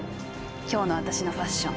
今日の私のファッション。